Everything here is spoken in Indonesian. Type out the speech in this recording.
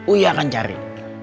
uy akan cari